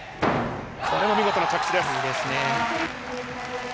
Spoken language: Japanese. これは見事な着地です。